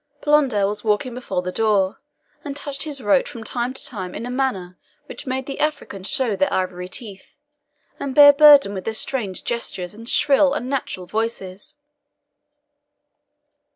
Blondel was walking before the door, and touched his rote from time to time in a manner which made the Africans show their ivory teeth, and bear burden with their strange gestures and shrill, unnatural voices.